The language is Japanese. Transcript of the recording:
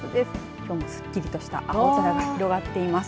きょうもすっきりとした青空が広がっています。